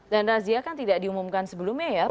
dan rajia kan tidak diumumkan sebelumnya ya pak sidin